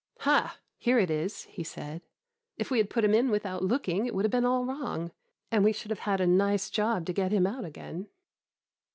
"'Ha! here it is,' he said; 'if we had put him in without looking, it would have been all wrong, and we should have had a nice job to get him out again.